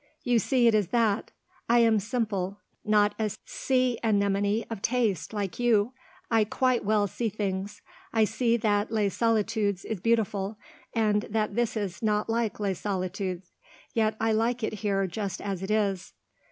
You see it is that; I am simple; not a sea anemone of taste, like you. I quite well see things. I see that Les Solitudes is beautiful, and that this is not like Les Solitudes. Yet I like it here just as it is."